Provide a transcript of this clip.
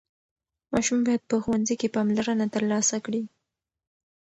ماشوم باید په ښوونځي کې پاملرنه ترلاسه کړي.